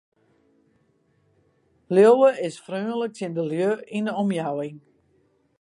Liuwe is freonlik tsjin de lju yn de omjouwing.